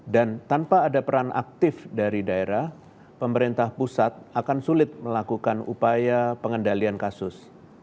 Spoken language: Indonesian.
dan tanpa ada peran aktif dari daerah pemerintah pusat akan sulit melakukan upaya pengendalian kasus